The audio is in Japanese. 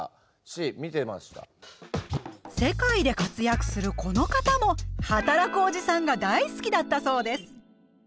世界で活躍するこの方も「はたらくおじさん」が大好きだったそうです。